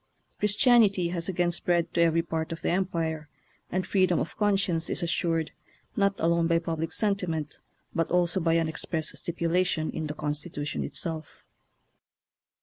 Chris tianity has again spread to every part of the Empire, and freedom of conscience is assured not alone by public sentiment, but also by an express stipulation in the Constitution itself.